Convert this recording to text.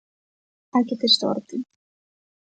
Hai que ter sorte.